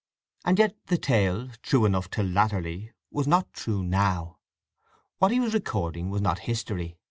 And yet the tale, true enough till latterly, was not true now. What he was regarding was not history.